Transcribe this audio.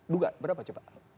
duga berapa coba